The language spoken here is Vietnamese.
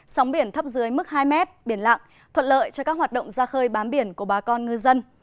sóng biển thấp dưới mức hai m biển lặng thuận lợi cho các hoạt động ra khơi bám biển của bà con ngư dân